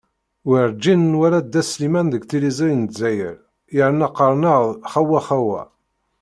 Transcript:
Werǧin nwala dda Sliman deg tiliẓri n Lezzayer, yerna qqaren-aɣ-d "xawa-xawa"!